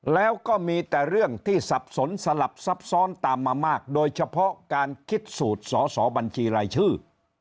แล้วก็มีแต่เรื่องที่สับสนสลับซับซ้อนตามมามากโดยเฉพาะการคิดสูตรสอสอบัญชีรายชื่อ